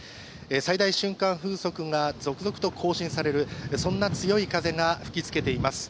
最大瞬間風速が続々と更新される、そんな強い風が吹き付けています。